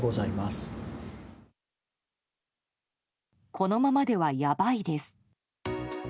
「このままではヤバいです」。